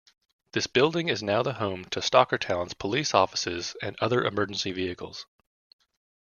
This building is now the home to Stockertown's police offices and other emergency vehicles.